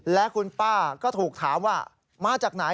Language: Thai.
และคุณป้าก็ถูกถามว่ามาจากไหน